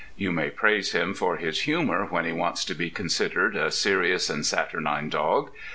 You may praise him for his humour when he wants to be considered a serious and saturnine dog.